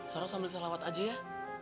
saro sambil selawat aja ya